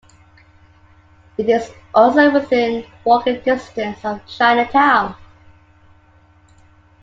It is also within walking distance of Chinatown.